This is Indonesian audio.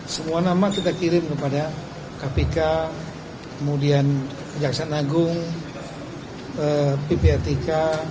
semua nama kita kirim kepada kpk kemudian kejaksaan agung ppatk